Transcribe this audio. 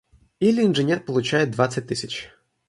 Или инженер получает двадцать тысяч.